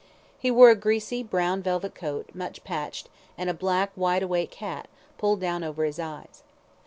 He wore a greasy brown velvet coat, much patched, and a black wide awake hat, pulled down over his eyes.